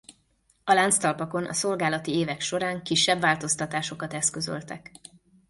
A lánctalpakon a szolgálati évek során kisebb változtatásokat eszközöltek.